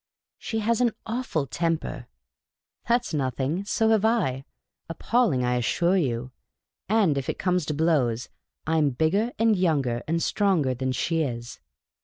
" She has an awful temper." " That 's nothing. So have I. Appalling, I assure you. And if it comes to blows, I 'm bigger and younger and stronger than she is."